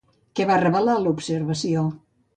Què va revelar l'observació?